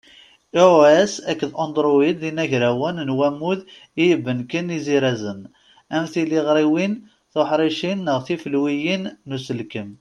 IOS akked Androïd d inagrawen n wammud i ibenken izirazen, am tiliɣriwin tuḥricin neɣ tifelwiyin n uselkem.